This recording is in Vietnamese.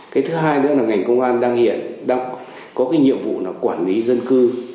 cái thứ hai nữa là ngành công an hiện đang có cái nhiệm vụ là quản lý dân cư